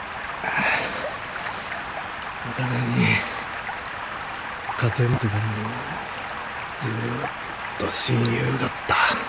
お互いに家庭持ってからもずっと親友だった。